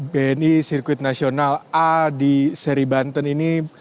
bni sirkuit nasional a di seri banten ini